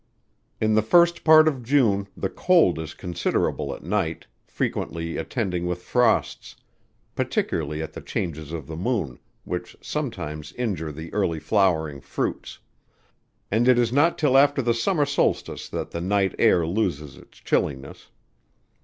In the first part of June the cold is considerable at night, frequently attended with frosts, particularly at the changes of the moon, which sometimes injure the early flowering fruits; and it is not till after the summer solstice that the night air loses its chilliness.